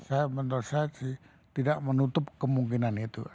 saya menurut saya sih tidak menutup kemungkinan itu